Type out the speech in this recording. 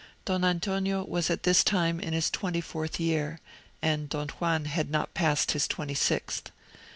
Don Antonio was at this time in his twenty fourth year, and Don Juan had not passed his twenty sixth.